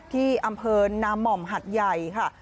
ที่อำเภอนาม่อมหัดใหญ่ค่ะ